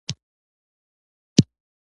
شیرجان تېرې ولي ګولۍ.